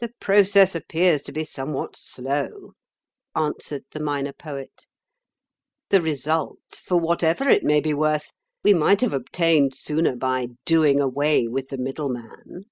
"The process appears to be somewhat slow," answered the Minor Poet. "The result, for whatever it may be worth, we might have obtained sooner by doing away with the middleman."